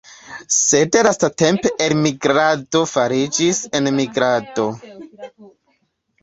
Sed lastatempe elmigrado fariĝis enmigrado.